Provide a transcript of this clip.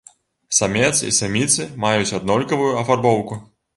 Самец і саміцы маюць аднолькавую афарбоўку.